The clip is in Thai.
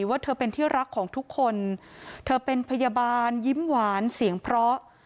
ว่าเธอเป็นที่รักของทุกคนเธอเป็นพยาบาลยิ้มหวานเสียงเพราะ